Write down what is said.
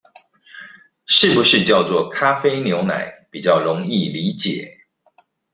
是不是叫做「咖啡牛奶」比較容易理解